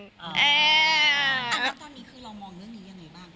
ตอนนี้คือลองมองเรื่องมียังไงบ้าง